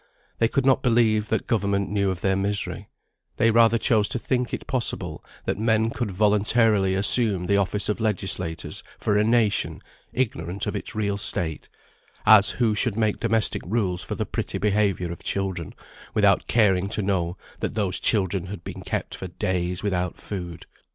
They could not believe that government knew of their misery; they rather chose to think it possible that men could voluntarily assume the office of legislators for a nation, ignorant of its real state; as who should make domestic rules for the pretty behaviour of children, without caring to know that those children had been kept for days without food.